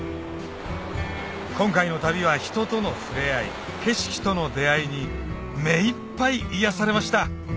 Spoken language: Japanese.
今回の旅は人との触れ合い景色との出合いに目いっぱい癒やされました！